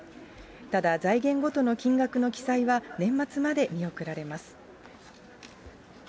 ただ、財源ごとの金額の記載は年末まで見送られます。